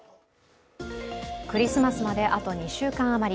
クリスマスまであと２週間余り。